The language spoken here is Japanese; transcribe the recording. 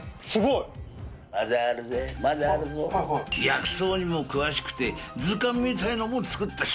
薬草にも詳しくて図鑑みたいなのも作ったし。